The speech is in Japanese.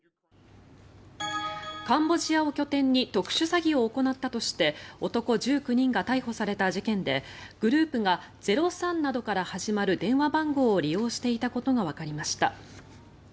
カンボジアを拠点に特殊詐欺を行ったとして男１９人が逮捕された事件でグループが０３などから始まる電話番号を利用していたことがわかりました。